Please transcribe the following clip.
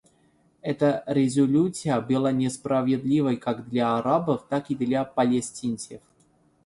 Эта резолюция была несправедливой как для арабов, так и для палестинцев.